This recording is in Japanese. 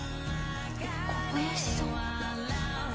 えっ小林さん？